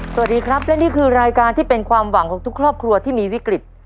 สวัสดีครับและนี่คือรายการที่เป็นความหวังของทุกครอบครัวที่มีวิกฤต